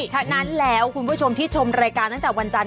ฉะนั้นแล้วคุณผู้ชมที่ชมรายการตั้งแต่วันจันท